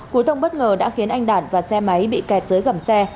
cúi thông bất ngờ đã khiến anh đạt và xe máy bị kẹt dưới gầm xe